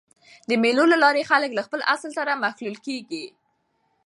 د مېلو له لاري خلک له خپل اصل سره مښلول کېږي.